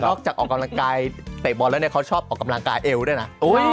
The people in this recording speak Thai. ออกกำลังกายเตะบอลแล้วเนี่ยเขาชอบออกกำลังกายเอวด้วยนะ